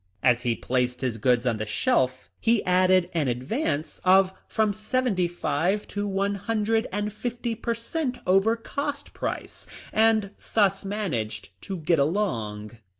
As he placed his goods on the shelf he added an advance of from seventy five to one hundred and fifty per cent over cost price, and thus managed to get along."